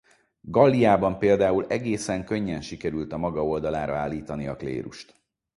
Galliában például egészen könnyen sikerült a maga oldalára állítani a klérust.